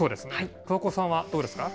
桑子さんはどうですか。